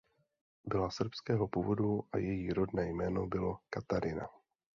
Byla srbského původu a její rodné jméno bylo Katarina.